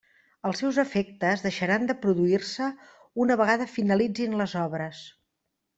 Els seus efectes deixaran de produir-se una vegada finalitzin les obres.